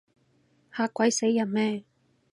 嚇鬼死人咩？